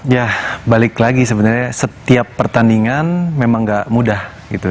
ya balik lagi sebenarnya setiap pertandingan memang gak mudah gitu